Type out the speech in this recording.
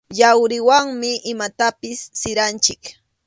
Yawriwanmi imatapas siranchik.